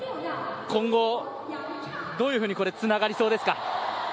今後、どういうふうにつながりそうですか。